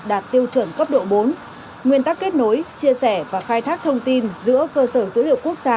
đạt tiêu chuẩn cấp độ bốn nguyên tắc kết nối chia sẻ và khai thác thông tin giữa cơ sở dữ liệu quốc gia